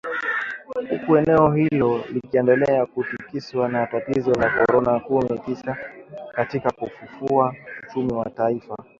Huku eneo hilo likiendelea kutikiswa na tatizo la korona kumi tisa katika kufufua uchumi wa taifa